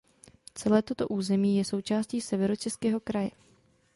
Celé toto území je součástí Severočeského kraje.